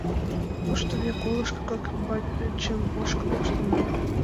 — Тушто ме колышо кап ӱмбачын ошкыл коштынна.